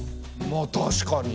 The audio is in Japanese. まあ確かに。